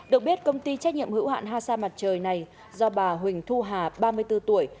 được biết công ty trách nhiệm hữu hạn hasa mặt trời này do bà huỳnh thu hà ba mươi bốn tuổi